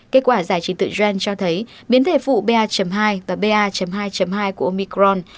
kết quả giải trí tự doan cho thấy biến thể phụ ba hai và ba hai hai của ông